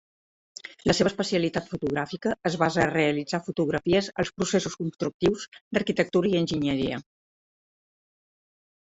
La seva especialitat fotogràfica es basa a realitzar fotografies als processos constructius d'arquitectura i enginyeria.